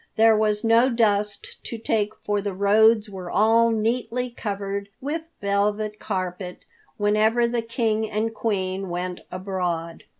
There was no dust to take for the roads were all neatly covered with velvet carpet whenever the King and Queen went abroad.